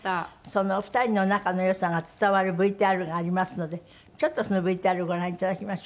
そのお二人の仲の良さが伝わるＶＴＲがありますのでちょっとそのＶＴＲをご覧いただきましょうかしら。